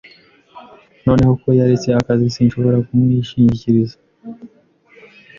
Noneho ko yaretse akazi, sinshobora kumwishingikiriza.